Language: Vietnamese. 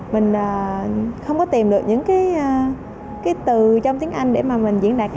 mình không có tìm được những cái từ trong tiếng anh để mà mình diễn đạt cái